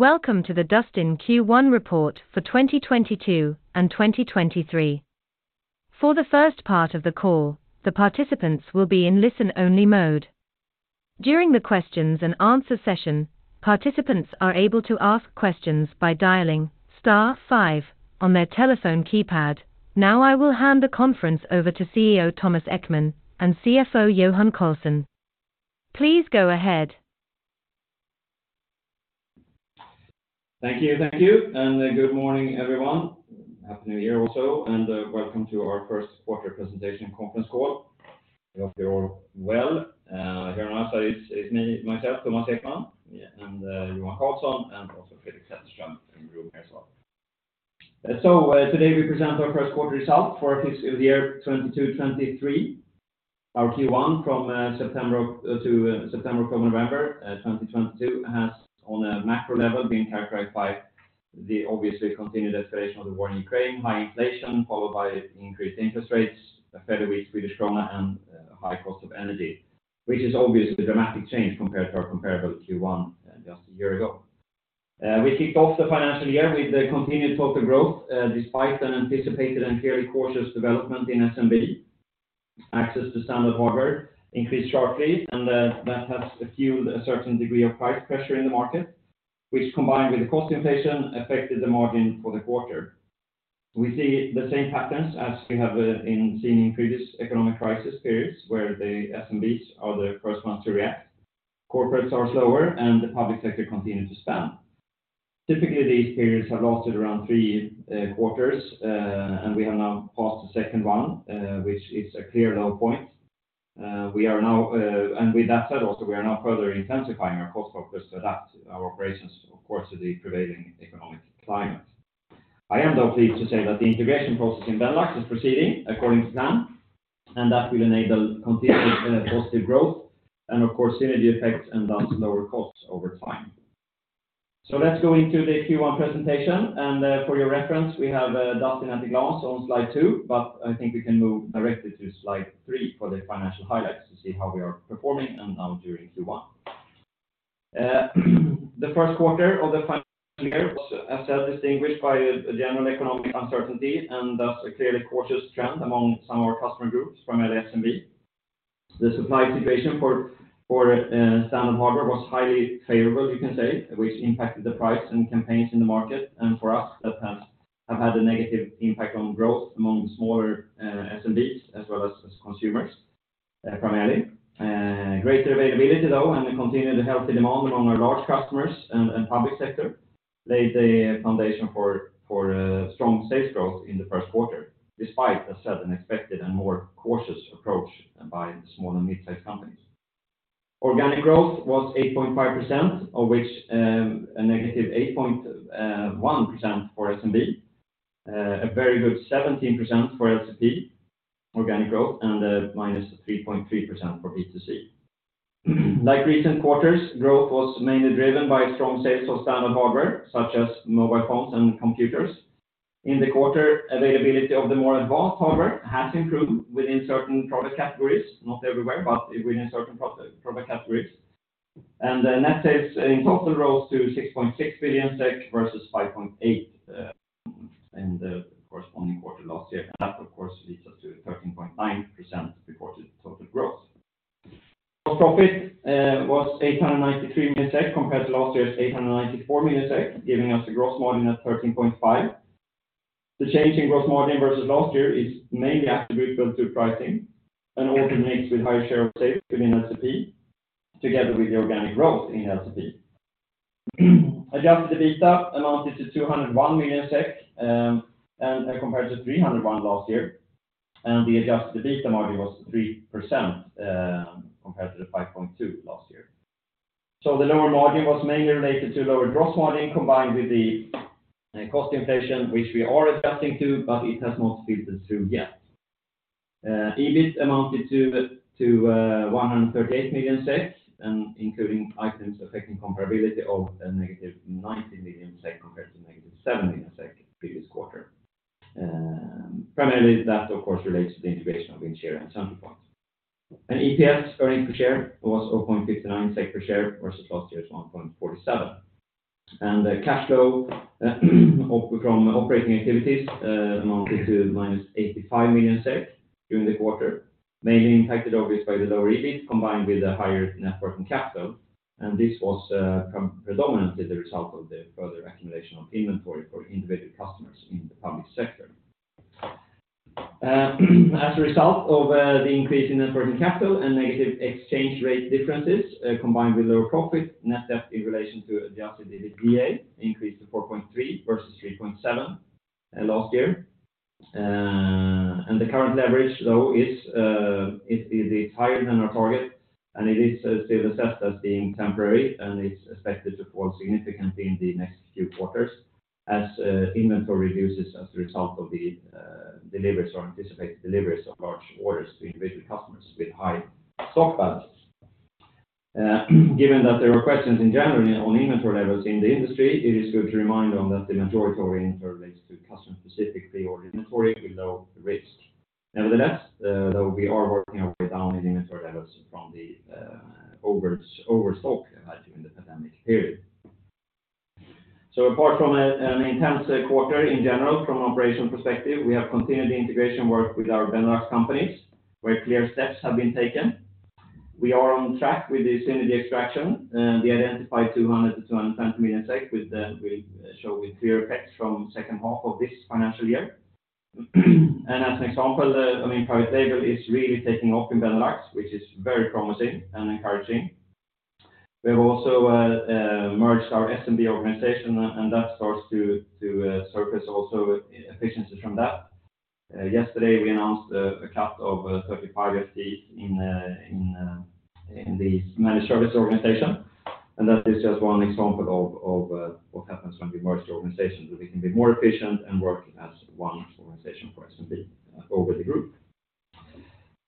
Welcome to the Dustin Q1 report for 2022 and 2023. For the first part of the call, the participants will be in listen-only mode. During the questions and answer session, participants are able to ask questions by dialing star five on their telephone keypad. Now I will hand the conference over to CEO Thomas Ekman and CFO Johan Karlsson. Please go ahead. Thank you. Thank you. Good morning, everyone. Happy New Year also, and welcome to our first quarter presentation conference call. I hope you're all well. Here with us is myself, Thomas Ekman, and Johan Karlsson, and also Fredrik Sätterström in the room here as well. Today we present our first quarter results for the year 2022-2023. Our Q1 from September through November 2022 has on a macro level been characterized by the obviously continued escalation of the war in Ukraine, high inflation followed by increased interest rates, a fairly weak Swedish krona, and high cost of energy. Is obviously a dramatic change compared to our comparable Q1 just a year ago. We kicked off the financial year with a continued total growth, despite an anticipated and fairly cautious development in SMB. Access to standard hardware increased sharply, and that has fueled a certain degree of price pressure in the market, which, combined with the cost inflation, affected the margin for the quarter. We see the same patterns as we have seen in previous economic crisis periods where the SMBs are the first ones to react. Corporates are slower, and the public sector continue to spend. Typically, these periods have lasted around three quarters, and we have now passed the second one, which is a clear low point. With that said also, we are now further intensifying our cost focus to adapt our operations, of course, to the prevailing economic climate. I am though pleased to say that the integration process in Benelux is proceeding according to plan, and that will enable continued positive growth and of course, synergy effects and thus lower costs over time. Let's go into the Q1 presentation. For your reference, we have Dustin at a glance on Slide 2, but I think we can move directly to Slide 3 for the financial highlights to see how we are performing and now during Q1. The first quarter of the financial year was as said distinguished by a general economic uncertainty and thus a clearly cautious trend among some of our customer groups, primarily SMB. The supply situation for standard hardware was highly favorable, you can say, which impacted the price and campaigns in the market. For us, that have had a negative impact on growth among smaller SMBs as well as consumers, primarily. Greater availability, though, and a continued healthy demand among our large customers and public sector laid the foundation for strong sales growth in the first quarter, despite a sudden expected and more cautious approach by the small and mid-sized companies. Organic growth was 8.5%, of which, a -8.1% for SMB, a very good 17% for LCP organic growth and a -3.3% for B2C. Like recent quarters, growth was mainly driven by strong sales of standard hardware such as mobile phones and computers. In the quarter, availability of the more advanced hardware has improved within certain product categories, not everywhere, but within certain product categories. The net sales in total rose to 6.6 billion SEK versus 5.8 billion in the corresponding quarter last year. That, of course, leads us to a 13.9% reported total growth. Gross profit was 893 million SEK compared to last year's 894 million SEK, giving us a gross margin of 13.5%. The change in gross margin versus last year is mainly attributable to pricing and order mix with higher share of sales within LCP together with the organic growth in LCP. Adjusted EBITDA amounted to 201 million SEK, and compared to 301 million last year. The Adjusted EBITDA margin was 3% compared to the 5.2% last year. The lower margin was mainly related to lower gross margin combined with the cost inflation, which we are adjusting to, but it has not filtered through yet. EBIT amounted to 138 million SEK, and including items affecting comparability of a negative 90 million SEK compared to negative 7 million SEK previous quarter. Primarily, that of course, relates to the integration of Vincere and Centralpoint. EPS, earnings per share, was 0.59 per share versus last year's 1.47. Cash flow from operating activities amounted to minus 85 million during the quarter, mainly impacted obviously by the lower EBIT combined with a higher net working capital. This was predominantly the result of the further accumulation of inventory for individual customers in the public sector. As a result of the increase in net working capital and negative exchange rate differences combined with lower profit, net debt in relation to Adjusted EBITDA increased to 4.3 versus 3.7 last year. The current leverage, though, is, it is higher than our target, and it is still assessed as being temporary, and it's expected to fall significantly in the next few quarters as inventory reduces as a result of the deliveries or anticipated deliveries of large orders to individual customers with high stock balances. Given that there are questions in general on inventory levels in the industry, it is good to remind on that the majority of our inventory relates to customer-specific pre-order inventory with low risk. Nevertheless, though we are working our way down in inventory levels from the overstock we had during the pandemic period. Apart from an intense quarter in general, from an operational perspective, we have continued the integration work with our Benelux companies, where clear steps have been taken. We are on track with the synergy extraction, the identified 200 million-210 million will show with clear effects from second half of this financial year. As an example, I mean, private label is really taking off in Benelux, which is very promising and encouraging. We have also merged our SMB organization and that starts to surface also e-efficiency from that. Yesterday, we announced a cut of 35 FTEs in the managed service organization. That is just one example of what happens when we merge the organizations, that we can be more efficient and work as one organization for SMB over the group.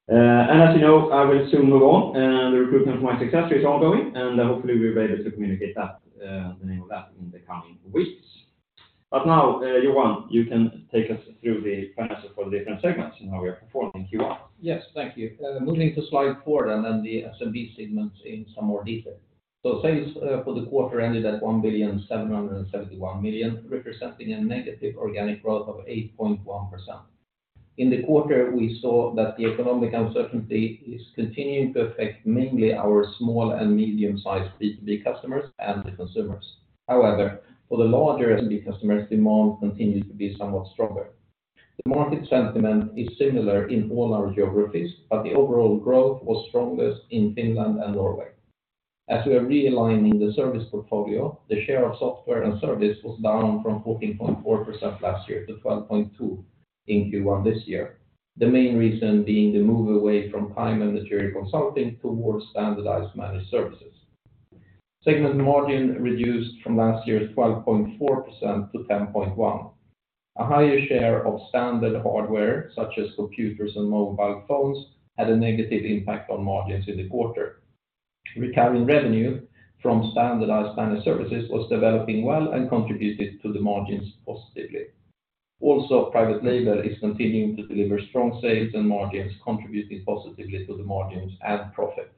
As you know, I will soon move on, the recruitment for my successor is ongoing, hopefully we'll be able to communicate that the name of that in the coming weeks. Now, Johan, you can take us through the finances for the different segments and how were performing in Q1. Yes. Thank you. Moving to Slide 4, and then the SMB segment in some more detail. Sales for the quarter ended at 1.771 billion, representing a negative organic growth of 8.1%. In the quarter, we saw that the economic uncertainty is continuing to affect mainly our small and medium-sized B2B customers and the consumers. However, for the larger SMB customers, demand continued to be somewhat stronger. The market sentiment is similar in all our geographies, but the overall growth was strongest in Finland and Norway. As we are realigning the service portfolio, the share of software and service was down from 14.4% last year to 12.2% in Q1 this year. The main reason being the move away from time and material consulting towards standardized managed services. Segment margin reduced from last year's 12.4% to 10.1%. A higher share of standard hardware, such as computers and mobile phones, had a negative impact on margins in the quarter. Recurring revenue from standardized managed services was developing well and contributed to the margins positively. Also, private labels is continuing to deliver strong sales and margins, contributing positively to the margins and profit.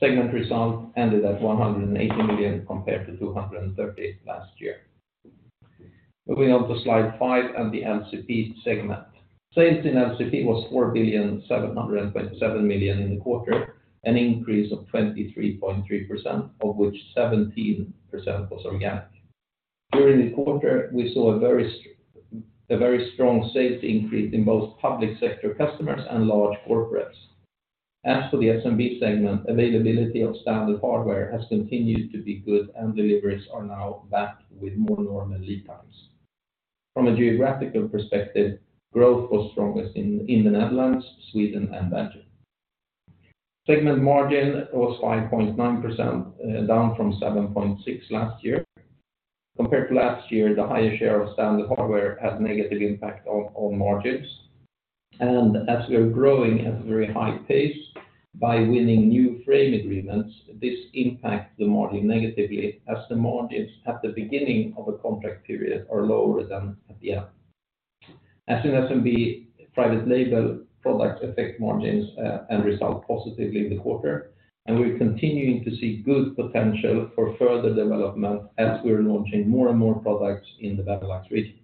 Segment result ended at 180 million compared to 230 million last year. Moving on to Slide 5 and the LCP segment. Sales in LCP was 4,727 million in the quarter, an increase of 23.3%, of which 17% was organic. During the quarter, we saw a very strong sales increase in both public sector customers and large corporates. As for the SMB segment, availability of standard hardware has continued to be good, and deliveries are now back with more normal lead times. From a geographical perspective, growth was strongest in the Netherlands, Sweden and Belgium. Segment margin was 5.9%, down from 7.6% last year. Compared to last year, the higher share of standard hardware had negative impact on margins. As we are growing at a very high pace by winning new frame agreements, this impact the margin negatively as the margins at the beginning of a contract period are lower than at the end. As in SMB, private labels products affect margins and result positively in the quarter, and we're continuing to see good potential for further development as we are launching more and more products in the Benelux region.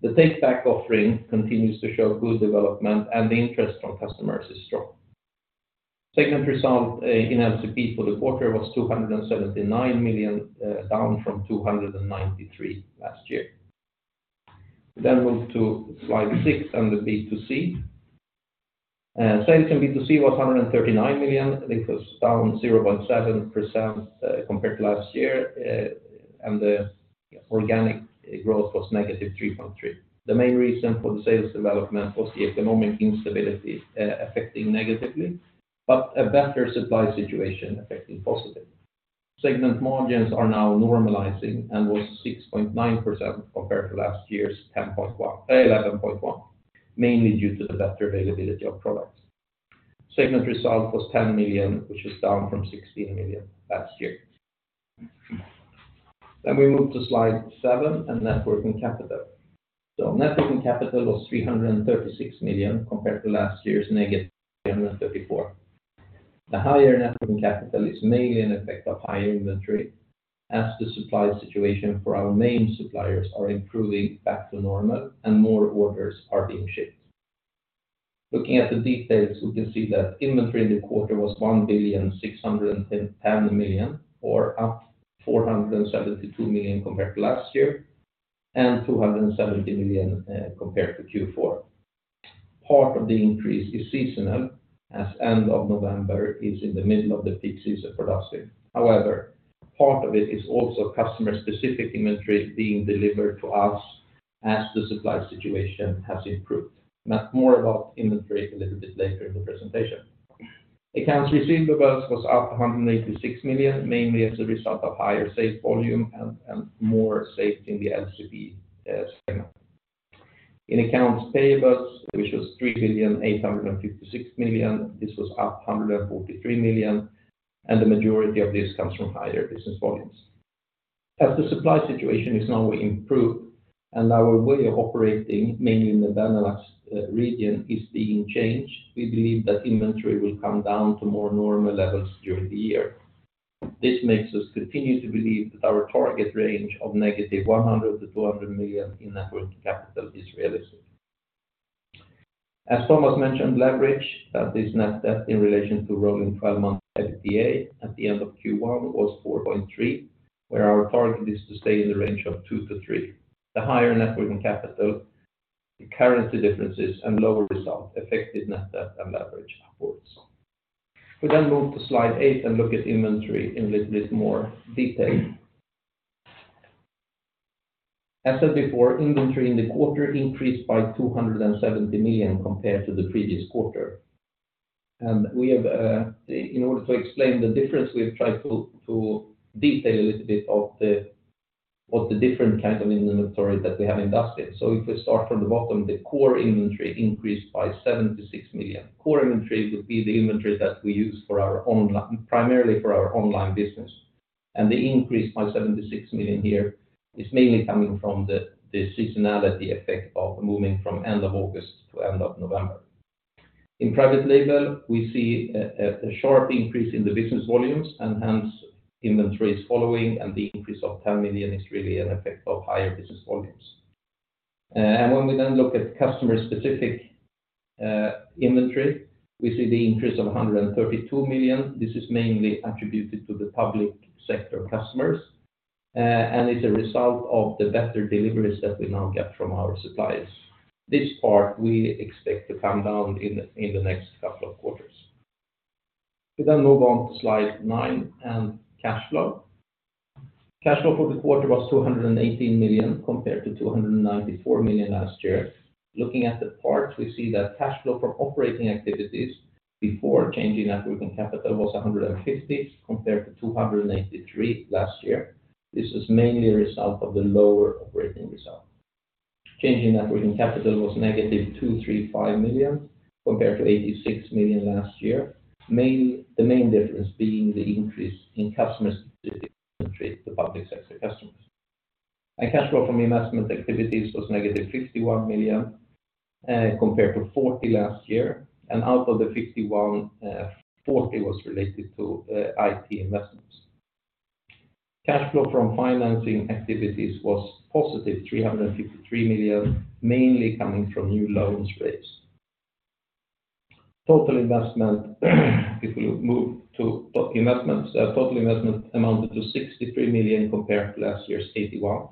The Take Back offering continues to show good development, and the interest from customers is strong. Segment result in LCP for the quarter was 279 million, down from 293 million last year. Move to Slide 6 and the B2C. Sales in B2C was 139 million. This was down 0.7% compared to last year, and the organic growth was -3.3%. The main reason for the sales development was the economic instability, affecting negatively, but a better supply situation affecting positively. Segment margins are now normalizing and was 6.9% compared to last year's 11.1%, mainly due to the better availability of products. Segment result was 10 million, which was down from 16 million last year. We move to Slide 7 and net working capital. Net working capital was 336 million compared to last year's negative 334 million. The higher net working capital is mainly an effect of higher inventory as the supply situation for our main suppliers are improving back to normal and more orders are being shipped. Looking at the details, we can see that inventory in the quarter was 1,610 million, or up 472 million compared to last year and 270 million compared to Q4. Part of the increase is seasonal as end of November is in the middle of the peak season for us. However, part of it is also customer-specific inventory being delivered to us as the supply situation has improved. More about inventory a little bit later in the presentation. Accounts receivable was up 186 million, mainly as a result of higher sales volume and more sales in the LCP segment. In accounts payables, which was 3 billion 856 million, this was up 143 million. The majority of this comes from higher business volumes. As the supply situation is now improved and our way of operating mainly in the Benelux region is being changed, we believe that inventory will come down to more normal levels during the year. This makes us continue to believe that our target range of negative 100 million to 200 million in net working capital is realistic. As Thomas mentioned, leverage that this net debt in relation to rolling 12 month EBITDA at the end of Q1 was 4.3, where our target is to stay in the range of 2-3. The higher net working capital, the currency differences and lower result affected net debt and leverage going forward. We then move to Slide 8 and look at inventory in little bit more detail. As said before, inventory in the quarter increased by 270 million compared to the previous quarter. We have, in order to explain the difference, we have tried to detail a little bit of the, of the different kinds of inventory that we have invested. If we start from the bottom, the core inventory increased by 76 million. Core inventory would be the inventory that we use primarily for our online business, and the increase by 76 million here is mainly coming from the seasonality effect of moving from end of August to end of November. In private labels, we see a sharp increase in the business volumes, hence inventory is following, the increase of 10 million is really an effect of higher business volumes. When we then look at customer specific inventory, we see the increase of 132 million. This is mainly attributed to the public sector customers, it's a result of the better deliveries that we now get from our suppliers. This part we expect to come down in the next couple of quarters. We move on to Slide 9 and cash flow. Cash flow for the quarter was 218 million compared to 294 million last year. Looking at the parts, we see that cash flow for operating activities before changing net working capital was 150 compared to 283 last year. This is mainly a result of the lower operating result. Change in net working capital was negative 235 million compared to 86 million last year. The main difference being the increase in customer specific inventory, the public sector customers. Cash flow from investment activities was negative 51 million compared to 40 last year, and out of the 51, 40 was related to IT investments. Cash flow from financing activities was positive 353 million, mainly coming from new loans raised. Total investment if we move to total investments. Total investment amounted to 63 million compared to last year's 81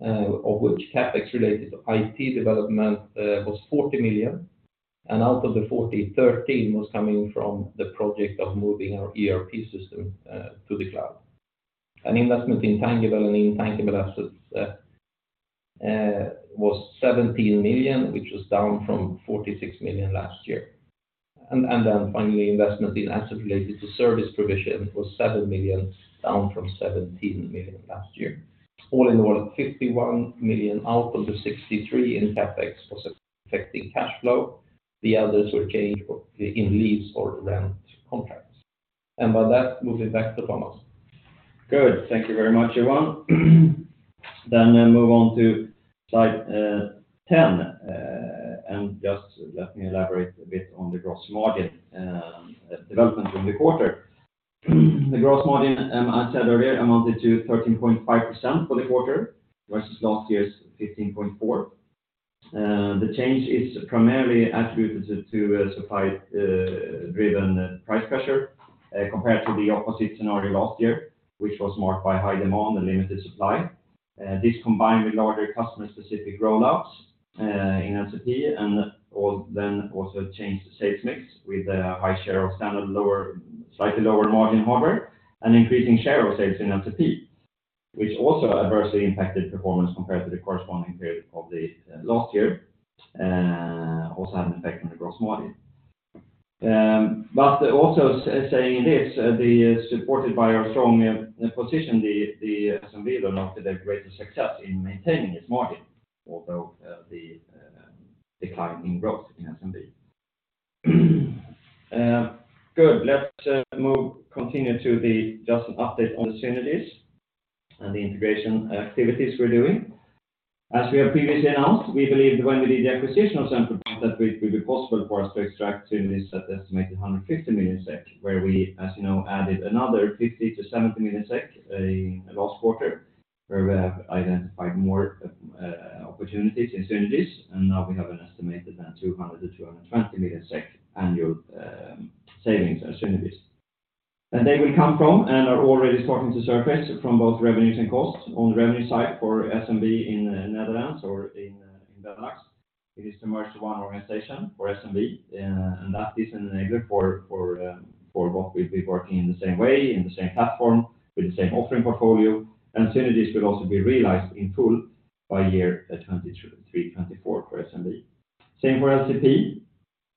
million, of which CapEx related to IT development was 40 million, and out of the 40 million, 13 million was coming from the project of moving our ERP system to the cloud. An investment in tangible and intangible assets was 17 million, which was down from 46 million last year. Finally, investment in assets related to service provision was 7 million, down from 17 million last year. All in all, 51 million out of the 63 million in CapEx was affecting cash flow. The others were changed or in lease or rent contracts. By that, moving back to Thomas. Good. Thank you very much, Johan. We move on to Slide 10. Just let me elaborate a bit on the gross margin development in the quarter. The gross margin, I said earlier, amounted to 13.5% for the quarter versus last year's 15.4%. The change is primarily attributed to a supply driven price pressure compared to the opposite scenario last year, which was marked by high demand and limited supply. This combined with larger customer specific rollouts in LCP and all then also changed the sales mix with a high share of standard lower, slightly lower margin hardware an increasing share of sales in LCP, which also adversely impacted performance compared to the corresponding period of the last year, also had an effect on the gross margin. Also saying this, supported by our strong position, the SMB learned after their greatest success in maintaining its margin, although the decline in growth in SMB. Let's continue to just an update on the synergies and the integration activities we're doing. As we have previously announced, we believed when we did the acquisition of Centralpoint that it would be possible for us to extract synergies at estimated 150 million SEK, where we, as you know, added another 50 million-70 million SEK in last quarter, where we have identified more opportunities in synergies. Now we have an estimated 200 million-220 million SEK annual savings and synergies. They will come from and are already starting to surface from both revenues and costs on the revenue side for SMB in Netherlands or in Benelux. It is to merge one organization for SMB, and that is an enabler for what we've been working in the same way, in the same platform with the same offering portfolio. Synergies will also be realized in full by year 2023-2024 for SMB. Same for LCP,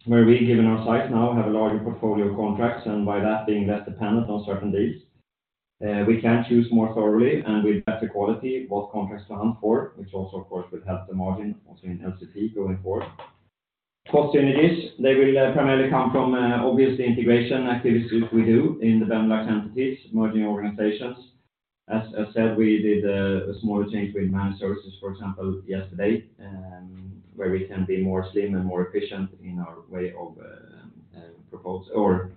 where we given our size now have a larger portfolio of contracts, and by that being less dependent on certain deals, we can choose more thoroughly and with better quality what contracts to hunt for, which also of course will help the margin also in LCP going forward. Opportunities, they will primarily come from obviously integration activities we do in the Benelux entities, merging organizations. As said, we did a small change with managed services, for example, yesterday, where we can be more slim and more efficient in our way of propose or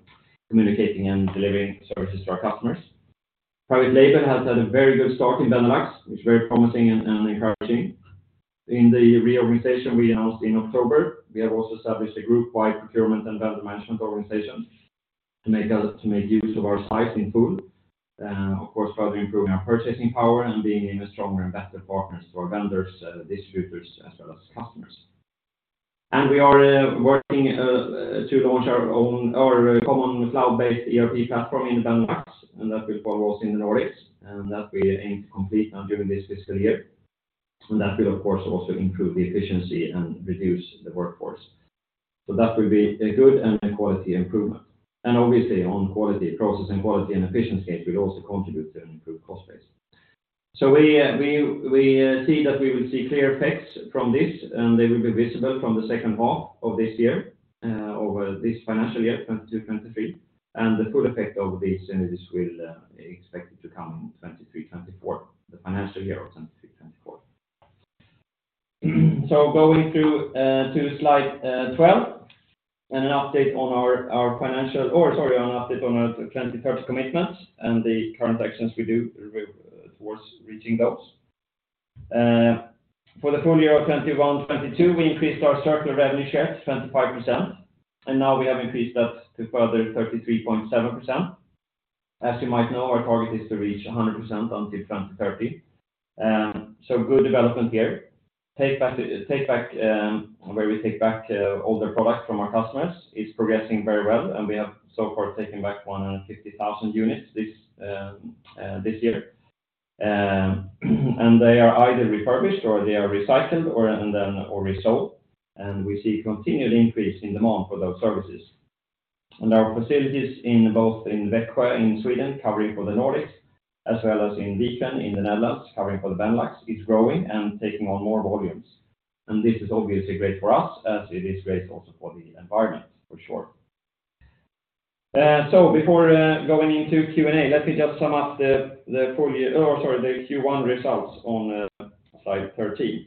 communicating and delivering services to our customers. private label has had a very good start in Benelux. It's very promising and encouraging. In the reorganization we announced in October, we have also established a group-wide procurement and vendor management organization to make use of our size in full. Of course, further improving our purchasing power and being even stronger and better partners to our vendors, distributors as well as customers. We are working to launch our own or common cloud-based ERP platform in Benelux, and that will follow us in the Nordics, and that we aim to complete now during this fiscal year. That will, of course, also improve the efficiency and reduce the workforce. That will be a good and quality improvement. Obviously on quality, process and quality and efficiency will also contribute to an improved cost base. We see that we will see clear effects from this, and they will be visible from the second half of this year over this financial year, 2022, 2023. The full effect of these synergies will expected to come in 2023, 2024, the financial year of 2023, 2024. Going through to Slide 12, and an update on our 2030 commitments and the current actions we do towards reaching those. For the full year of 2021-2022, we increased our circular revenue share to 25%. Now we have increased that to further 33.7%. As you might know, our target is to reach 100% until 2030. Good development here. Take Back, where we take back older products from our customers is progressing very well. We have so far taken back 150,000 units this year. They are either refurbished or they are recycled or resold. We see continued increase in demand for those services. Our facilities in both in Växjö in Sweden covering for the Nordics as well as in Wijchen in the Netherlands covering for the Benelux is growing and taking on more volumes. This is obviously great for us as it is great also for the environment for sure. Before going into Q&A, let me just sum up the Q1 results on Slide 13.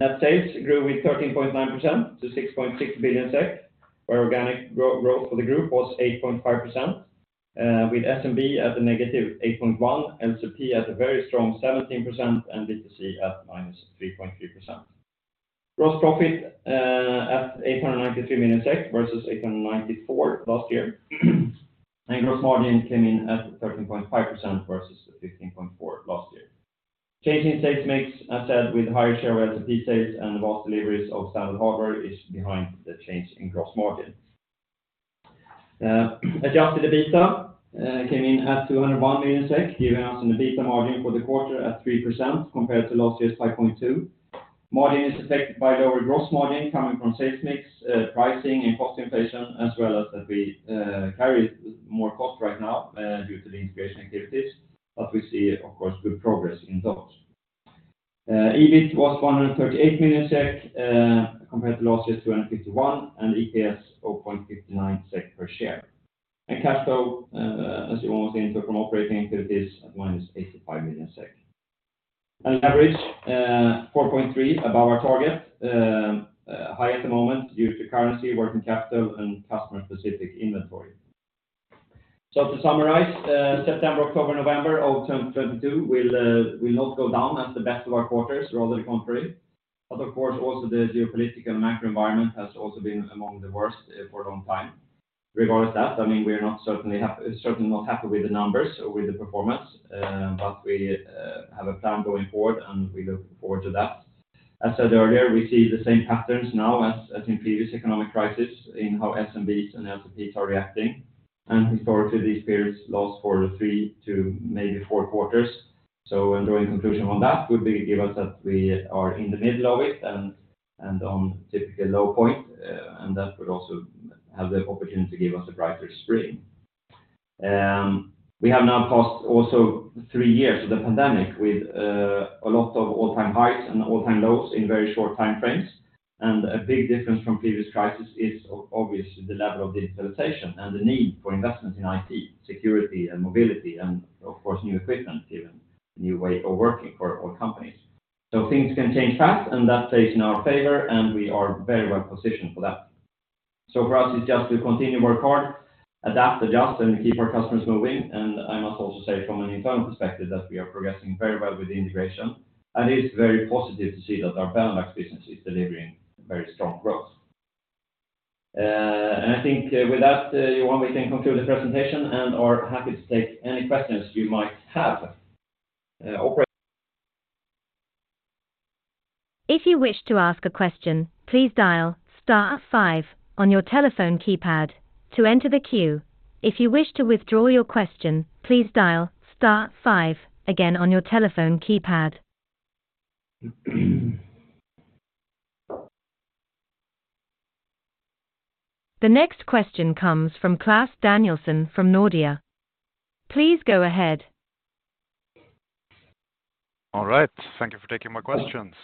Net sales grew with 13.9% to 6.6 billion SEK, where organic growth for the group was 8.5%, with SMB at a negative 8.1%, LCP at a very strong 17%, and B2C at -3.3%. Gross profit at 893 million SEK versus 894 million last year. Gross margin came in at 13.5% versus 15.4% last year. Change in sales mix, as said, with higher share of LCP sales and the vast deliveries of standard hardware is behind the change in gross margin. Adjusted EBITDA came in at 201 million SEK giving us an EBITDA margin for the quarter at 3% compared to last year's 5.2%. Margin is affected by lower gross margin coming from sales mix, pricing and cost inflation, as well as that we carry more cost right now due to the integration activities. We see, of course, good progress in those. EBIT was 138 million SEK compared to last year's 251 million, and EPS 4.59 SEK per share. Cash flow, as you all see, from operating activities at minus 85 million SEK. Average 4.3 above our target, high at the moment due to currency, working capital and customer specific inventory. To summarize, September, October, November of 2022 will not go down as the best of our quarters, rather the contrary. Of course, also the geopolitical and macro environment has also been among the worst for a long time. Regardless of that, I mean, we are not certainly not happy with the numbers or with the performance, but we have a plan going forward, and we look forward to that. As said earlier, we see the same patterns now as in previous economic crisis in how SMBs and LCPs are reacting. Historically, these periods last for 3 to maybe 4 quarters. When drawing conclusion on that would be give us that we are in the middle of it and on typical low point, and that would also have the opportunity to give us a brighter spring. We have now passed also three years of the pandemic with a lot of all-time highs and all-time lows in very short time frames. A big difference from previous crisis is obviously the level of digitalization and the need for investment in IT, security and mobility and of course, new equipment even, new way of working for all companies. Things can change fast, and that plays in our favor, and we are very well positioned for that. For us, it's just to continue to work hard, adapt, adjust and keep our customers moving. I must also say from an internal perspective that we are progressing very well with the integration. It is very positive to see that our Benelux business is delivering very strong growth. I think with that, Johan, we can conclude the presentation and are happy to take any questions you might have. If you wish to ask a question, please dial star five on your telephone keypad to enter the queue. If you wish to withdraw your question, please dial star five again on your telephone keypad. The next question comes from Klas Danielsson from Nordea. Please go ahead. All right. Thank you for taking my questions.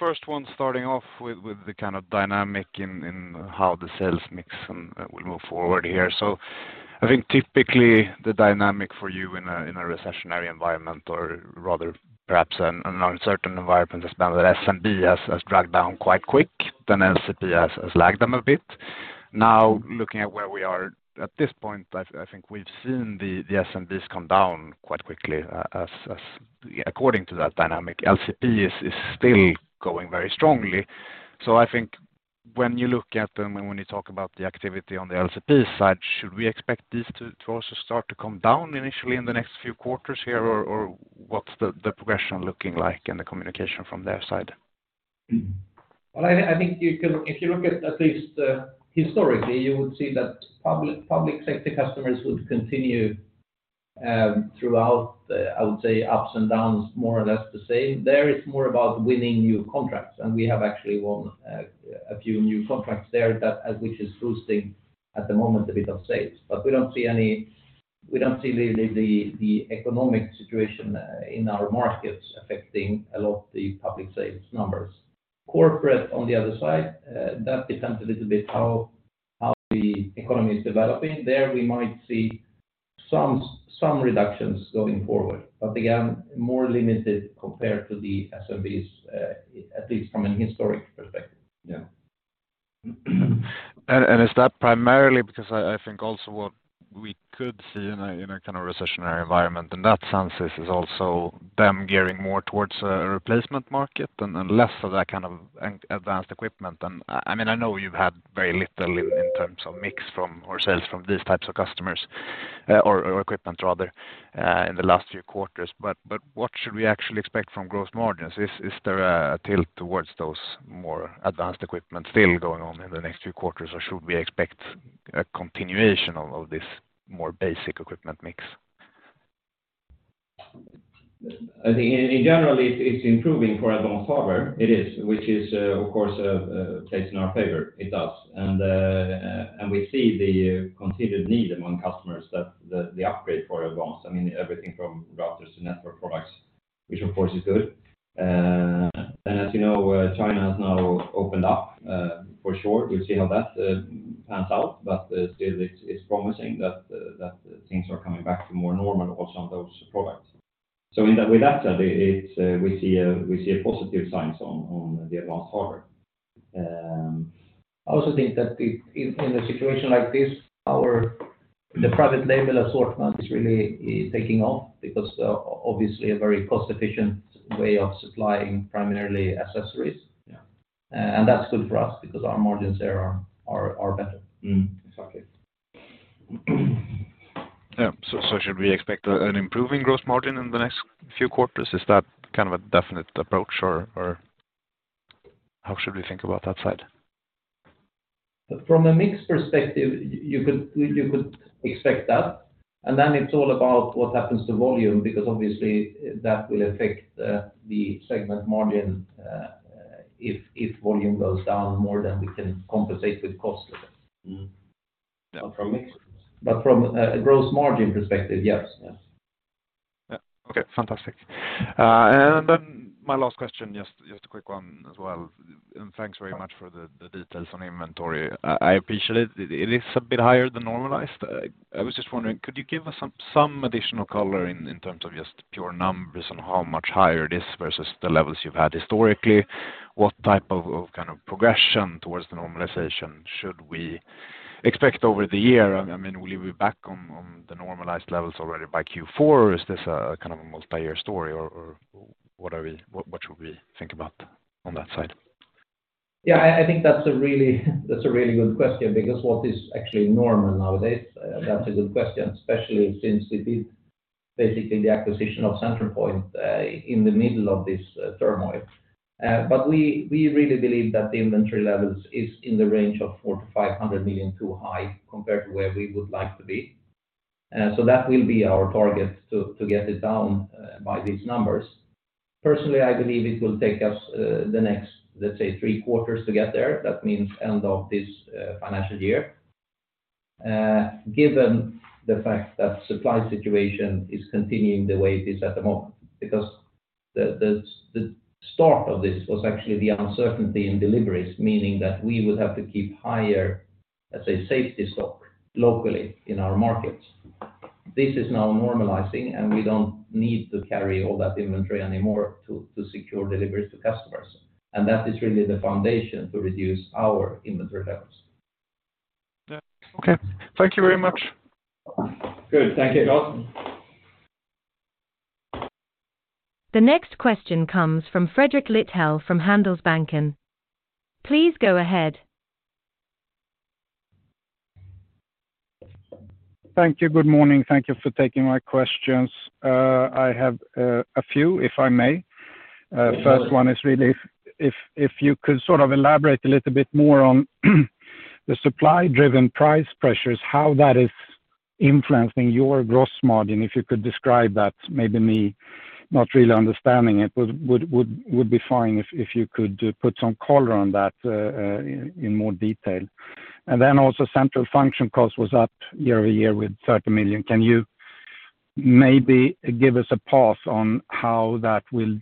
First one starting off with the kind of dynamic in how the sales mix will move forward here. I think typically the dynamic for you in a, in a recessionary environment or rather perhaps an uncertain environment has been that SMB has dragged down quite quick than LCP has lagged them a bit. Now, looking at where we are at this point, I think we've seen the SMBs come down quite quickly as according to that dynamic, LCP is still going very strongly. I think when you look at them and when you talk about the activity on the LCP side, should we expect this to also start to come down initially in the next few quarters here or what's the progression looking like and the communication from their side? Well, I think you can if you look at least historically, you would see that public sector customers would continue throughout I would say ups and downs more or less the same. There is more about winning new contracts. We have actually won a few new contracts there that as which is boosting at the moment a bit of sales. We don't see any. We don't see the economic situation in our markets affecting a lot the public sales numbers. Corporate on the other side, that depends a little bit how the economy is developing. There, we might see some reductions going forward. Again, more limited compared to the SMBs, at least from an historic perspective. Yeah. Is that primarily because I think also what we could see in a kind of recessionary environment, and that sense is also them gearing more towards a replacement market and less of that kind of ad-advanced equipment. I mean, I know you've had very little in terms of mix from or sales from these types of customers, or equipment rather, in the last few quarters. What should we actually expect from growth margins? Is there a tilt towards those more advanced equipment still going on in the next few quarters, or should we expect a continuation of this more basic equipment mix? I think in general, it's improving for advanced hardware. It is, which is, of course, plays in our favor. It does. We see the continued need among customers that the upgrade for advanced, I mean, everything from routers to network products, which of course is good. As you know, China has now opened up for sure. We'll see how that pans out. Still it's promising that things are coming back to more normal also on those products. With that said, we see positive signs on the advanced hardware. I also think that if in a situation like this, the private labels assortment is really taking off because obviously a very cost-efficient way of supplying primarily accessories. Yeah. That's good for us because our margins there are better. Mm-hmm. Exactly. Yeah. Should we expect an improving gross margin in the next few quarters? Is that kind of a definite approach or how should we think about that side? From a mix perspective, you could expect that. Then it's all about what happens to volume, because obviously that will affect the segment margin, if volume goes down more than we can compensate with cost. Mm-hmm. From mix? From a gross margin perspective, yes. Yes. Yeah. Okay, fantastic. My last question, just a quick one as well. Thanks very much for the details on inventory. I appreciate it. It is a bit higher than normalized. I was just wondering, could you give us some additional color in terms of just pure numbers and how much higher it is versus the levels you've had historically? What type of kind of progression towards the normalization should we expect over the year? I mean, will you be back on the normalized levels already by Q4, or is this kind of a multi-year story or what should we think about on that side? I think that's a really, that's a really good question because what is actually normal nowadays, that's a good question, especially since it is basically the acquisition of Centralpoint in the middle of this turmoil. We really believe that the inventory levels is in the range of 400 million-500 million too high compared to where we would like to be. That will be our target to get it down by these numbers. Personally, I believe it will take us the next, let's say, three quarters to get there. That means end of this financial year. Given the fact that supply situation is continuing the way it is at the moment. The start of this was actually the uncertainty in deliveries, meaning that we would have to keep higher, let's say, safety stock locally in our markets. This is now normalizing. We don't need to carry all that inventory anymore to secure deliveries to customers. That is really the foundation to reduce our inventory levels. Yeah. Okay. Thank you very much. Good. Thank you. Yeah. The next question comes from Fredrik Lithell from Handelsbanken. Please go ahead. Thank you. Good morning. Thank you for taking my questions. I have a few, if I may. Sure. First one is really if you could sort of elaborate a little bit more on the supply-driven price pressures, how that is influencing your gross margin. If you could describe that maybe Not really understanding it would be fine if you could put some color on that in more detail. Then also central function cost was up year-over-year with 30 million. Can you maybe give us a path on how that will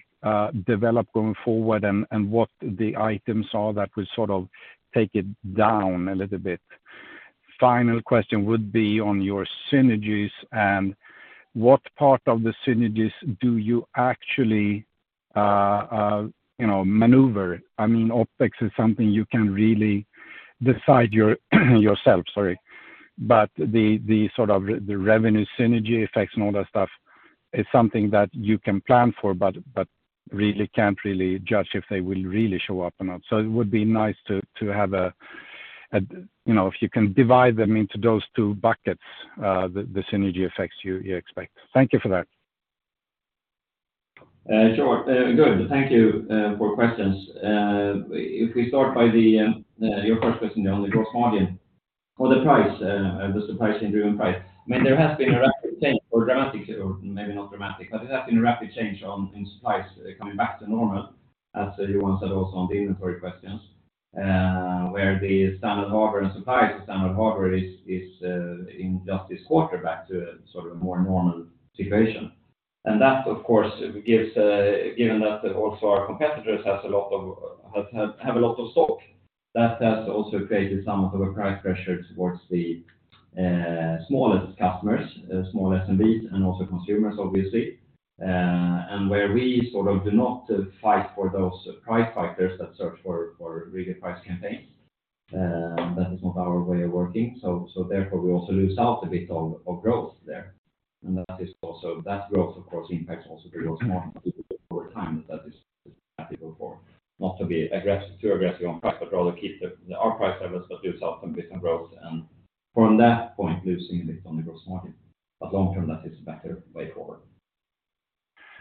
develop going forward and what the items are that will sort of take it down a little bit? Final question would be on your synergies and what part of the synergies do you actually, you know, maneuver? I mean, OpEx is something you can really decide yourself, sorry. The sort of the revenue synergy effects and all that stuff is something that you can plan for, but really can't really judge if they will really show up or not. It would be nice to have a, You know, if you can divide them into those two buckets, the synergy effects you expect. Thank you for that. Sure. Good. Thank you for questions. If we start by the your first question on the gross margin. For the price, the supply-driven price, I mean, there has been a rapid change or dramatic or maybe not dramatic, but there has been a rapid change on, in supplies coming back to normal, as Johan said also on the inventory questions, where the standard harbor and supply standard harbor is in just this quarter back to sort of a more normal situation. That, of course, gives, given that also our competitors has a lot of stock, that also created some of the price pressure towards the smallest customers, small SMBs and also consumers obviously, and where we sort of do not fight for those price fighters that search for really price campaigns. That is not our way of working. Therefore, we also lose out a bit of growth there. That is also, that growth, of course, impacts also the gross margin over time. That is practical for not to be too aggressive on price, but rather keep our price levels, but lose out on different growth and from that point, losing a bit on the gross margin. Long term, that is a better way forward.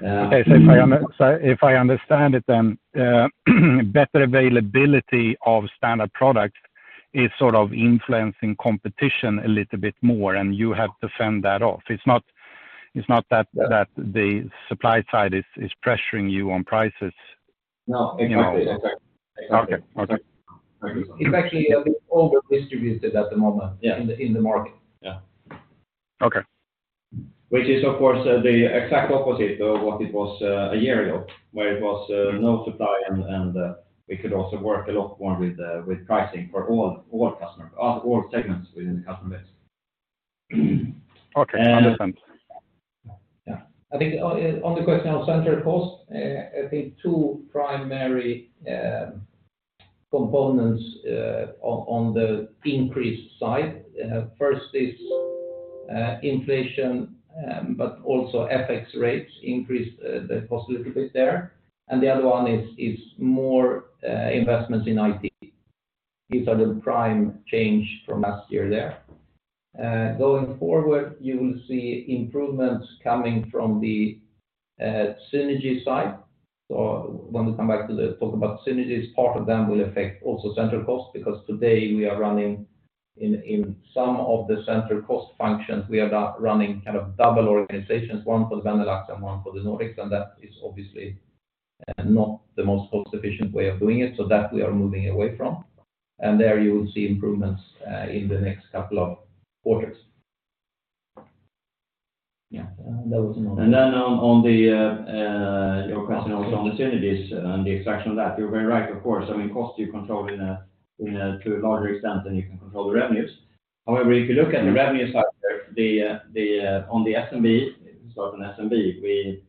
Okay. If I understand it then, better availability of standard products is sort of influencing competition a little bit more, and you have to fend that off. It's not that the supply side is pressuring you on prices. No, exactly. Okay. Okay. It's actually a bit over-distributed at the moment. Yeah... in the market. Yeah. Okay. Which is of course the exact opposite of what it was a year ago, where it was no supply and we could also work a lot more with pricing for all customers, all segments within the customer base. Okay. Understood. Yeah. I think on the question of central cost, I think two primary components on the increased side. First is inflation, but also FX rates increase the possibility there. The other one is more investments in IT. These are the prime change from last year there. Going forward, you will see improvements coming from the synergy side. When we come back to the talk about synergies, part of them will affect also central cost because today we are running in some of the central cost functions, we are now running kind of double organizations, one for the Benelux and one for the Nordics, and that is obviously not the most cost-efficient way of doing it, so that we are moving away from. There you will see improvements in the next couple of quarters. Yeah. That was another- On the your question also on the synergies and the extraction of that, you're very right, of course. I mean, cost you control in a to a larger extent than you can control the revenues. If you look at the revenue side, the on the SMB, sort of SMB, we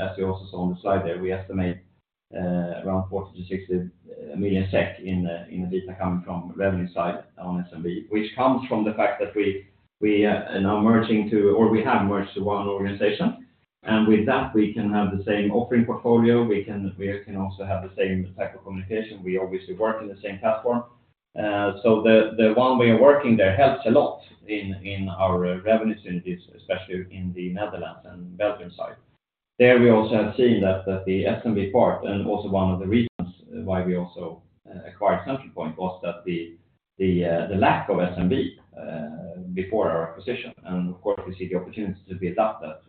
as you also saw on the slide there, we estimate around 40 million-60 million SEK in EBITDA coming from revenue side on SMB, which comes from the fact that we are now merging to, or we have merged to one organization. With that, we can have the same offering portfolio. We can also have the same type of communication. We obviously work in the same platform. The one way of working there helps a lot in our revenue synergies, especially in the Netherlands and Belgium side. There, we also have seen that the SMB part, and also one of the reasons why we also acquired Centralpoint was that the lack of SMB before our acquisition, and of course we see the opportunity to build up that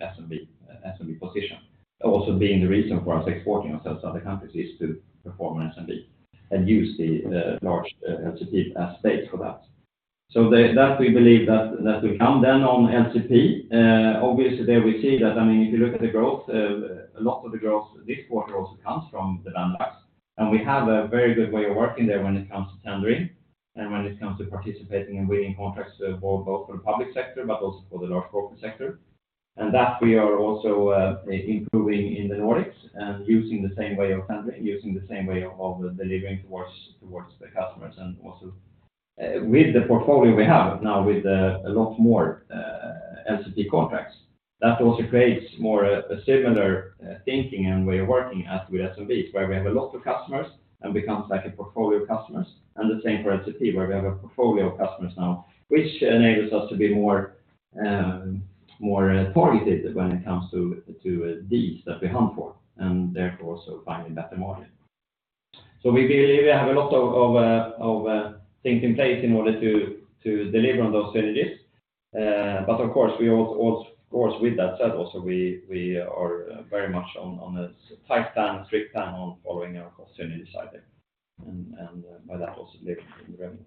SMB position. Also being the reason for us exporting ourselves to other countries is to perform SMB and use the large CTA space for that. That we believe that will come. On LCP, obviously there we see that, I mean, if you look at the growth, a lot of the growth this quarter also comes from the Benelux. We have a very good way of working there when it comes to tendering and when it comes to participating and winning contracts, for both for the public sector but also for the large corporate sector. That we are also improving in the Nordics and using the same way of tendering, using the same way of delivering towards the customers. With the portfolio we have now with a lot more LCP contracts, that also creates more a similar thinking and way of working as with SMBs, where we have a lot of customers and becomes like a portfolio of customers. The same for LCP, where we have a portfolio of customers now, which enables us to be more targeted when it comes to deals that we hunt for, and therefore also finding better margin. We believe we have a lot of things in place in order to deliver on those synergies. Of course, we of course with that said, also, we are very much on a tight plan, strict plan on following our cost synergies side there, and by that also delivering in the revenues.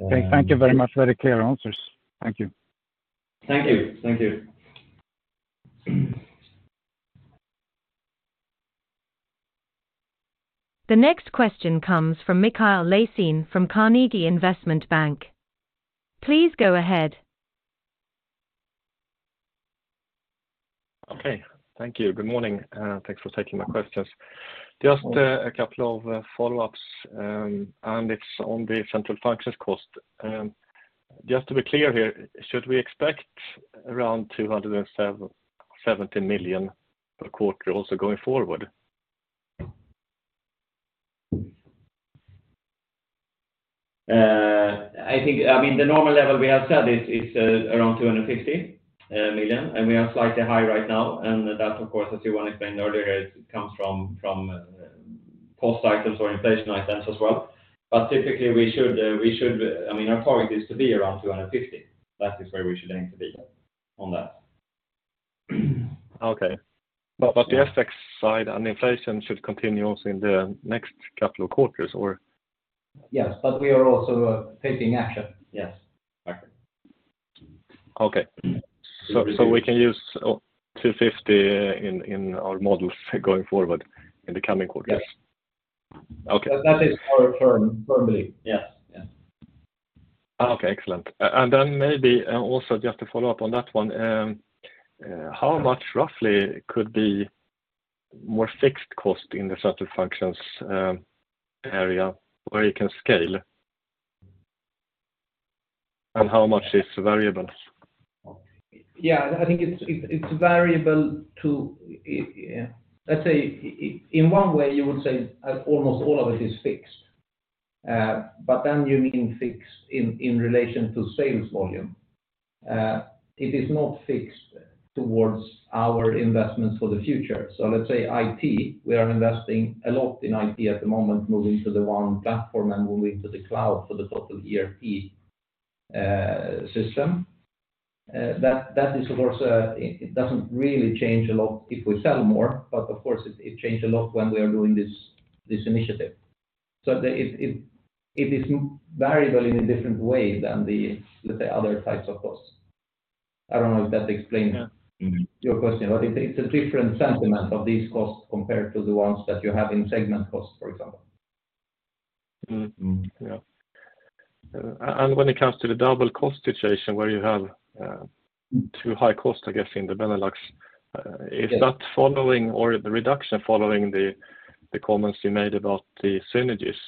Okay. Thank you very much. Very clear answers. Thank you. Thank you. Thank you. The next question comes from Mikael Laséen from Carnegie Investment Bank. Please go ahead. Okay. Thank you. Good morning. Thanks for taking my questions. Just a couple of follow-ups. It's on the central functions cost. Just to be clear here, should we expect around 270 million per quarter also going forward? I think... I mean, the normal level we have said is, around 250 million, we are slightly high right now. That, of course, as you wanna explain earlier, it comes from, post items or inflation items as well. Typically, we should, we should... I mean, our target is to be around 250. That is where we should aim to be on that. Okay. The FX side and inflation should continue also in the next couple of quarters or? Yes, we are also taking action. Yes. Okay. We can use 250 in our models going forward in the coming quarters? Yes. Okay. That is our term firmly. Yes. Yes. Okay. Excellent. Then maybe also just to follow up on that one, how much roughly could be more fixed cost in the central functions area where you can scale? How much is variable? I think it's variable to, let's say in one way, you would say almost all of it is fixed. You mean fixed in relation to sales volume. It is not fixed towards our investments for the future. Let's say IT, we are investing a lot in IT at the moment, moving to the one platform and moving to the cloud for the total ERP system. That is of course, it doesn't really change a lot if we sell more, but of course it changed a lot when we are doing this initiative. It is variable in a different way than the, let's say, other types of costs. I don't know if that explains. Yeah. -your question, it's a different sentiment of these costs compared to the ones that you have in segment costs, for example. Mm-hmm. Yeah. When it comes to the double cost situation where you have too high cost, I guess, in the Benelux. Yes. Is that following or the reduction following the comments you made about the synergies?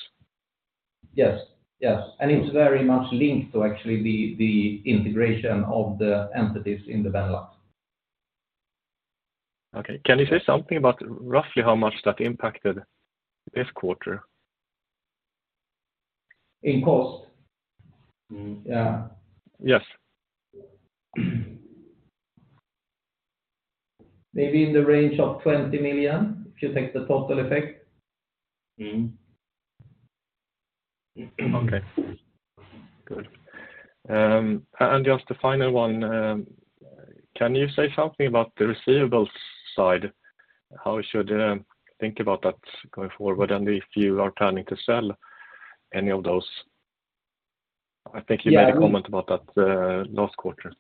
Yes. Yes. It's very much linked to actually the integration of the entities in the Benelux. Can you say something about roughly how much that impacted this quarter? In cost? Mm. Yeah. Yes. Maybe in the range of 20 million, if you take the total effect. Okay. Good. Just a final one, can you say something about the receivables side? How we should think about that going forward, and if you are planning to sell any of those? Yeah. I think you made a comment about that, last quarter.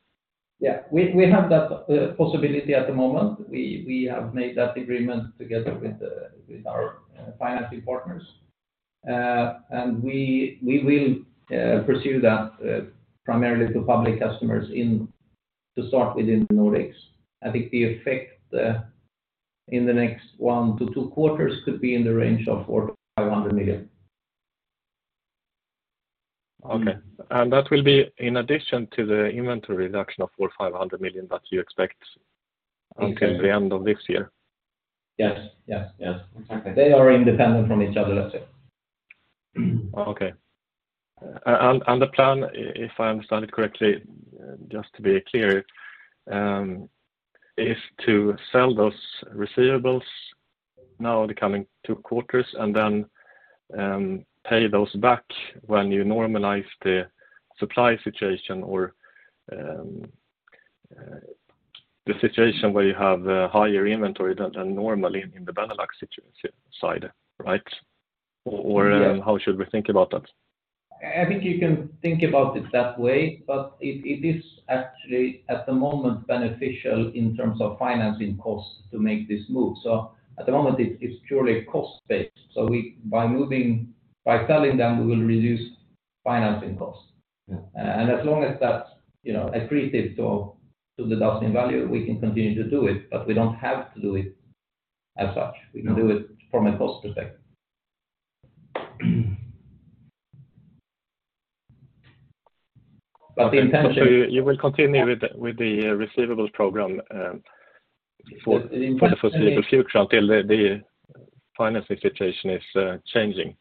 Yeah. We have that possibility at the moment. We have made that agreement together with our financing partners. We will pursue that primarily to public customers to start within the Nordics. I think the effect in the next one to two quarters could be in the range of 400 million-500 million. Okay. That will be in addition to the inventory reduction of 400 million-500 million that you expect until the end of this year? Yes. Yes. Yes. Exactly. They are independent from each other, let's say. Okay. And the plan, if I understand it correctly, just to be clear, is to sell those receivables now in the coming two quarters and then pay those back when you normalize the supply situation or the situation where you have a higher inventory than normally in the Benelux side, right? Yes. How should we think about that? I think you can think about it that way, but it is actually at the moment beneficial in terms of financing costs to make this move. At the moment it's purely cost-based. We, by moving, by selling them, we will reduce financing costs. Yeah. As long as that's, you know, accretive to the Dustin value, we can continue to do it, but we don't have to do it as such. No. We can do it from a cost perspective. The intention. You will continue with the receivables program, for the foreseeable future until the financing situation is changing.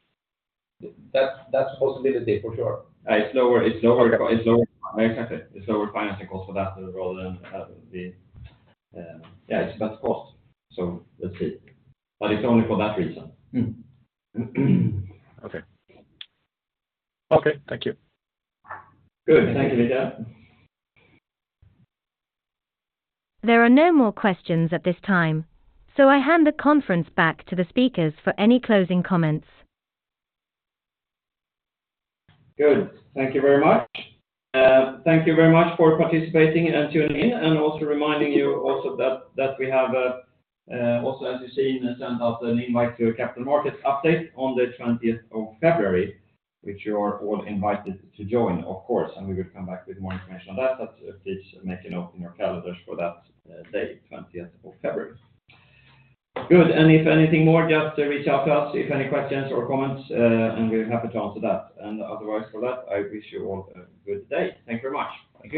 That's a possibility for sure. Exactly. It's lower financing cost for that rather than the. Yeah, it's best cost. Let's see. It's only for that reason. Okay. Okay. Thank you. Good. Thank you, Mikael. There are no more questions at this time. I hand the conference back to the speakers for any closing comments. Good. Thank you very much. Thank you very much for participating and tuning in, reminding you that we have, as you've seen, sent out an invite to a capital markets update on the 20th of February, which you are all invited to join, of course. We will come back with more information on that. Please make a note in your calendars for that day, 20th of February. Good. If anything more, just reach out to us if any questions or comments. We're happy to answer that. Otherwise for that, I wish you all a good day. Thank you very much. Thank you.